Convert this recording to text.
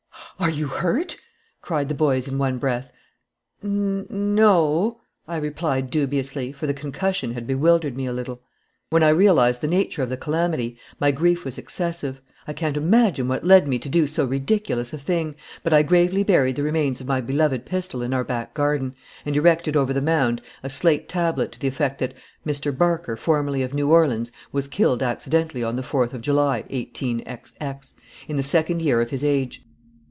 "Are you hurt?" cried the boys, in one breath. "N no," I replied, dubiously, for the concussion had bewildered me a little. When I realized the nature of the calamity, my grief was excessive. I can't imagine what led me to do so ridiculous a thing, but I gravely buried the remains of my beloved pistol in our back garden, and erected over the mound a slate tablet to the effect that "Mr. Barker formerly of new Orleans, was killed accidentally on the Fourth of July, 18 in the 2nd year of his Age."